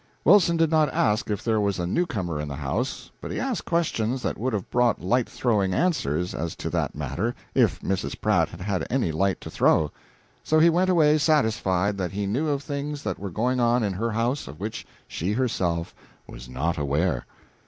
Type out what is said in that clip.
Wilson did not ask if there was a newcomer in the house, but he asked questions that would have brought light throwing answers as to that matter if Mrs. Pratt had had any light to throw; so he went away satisfied that he knew of things that were going on in her house of which she herself was not aware.